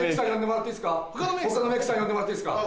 他のメイクさん呼んでもらっていいですか。